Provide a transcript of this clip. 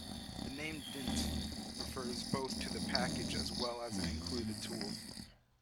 The name "dsniff" refers both to the package as well as an included tool.